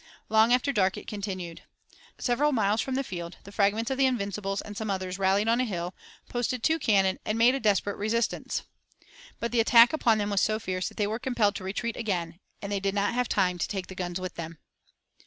Long after dark it continued. Several miles from the field the fragments of the Invincibles and some others rallied on a hill, posted two cannon and made a desperate resistance. But the attack upon them was so fierce that they were compelled to retreat again, and they did not have time to take the guns with them.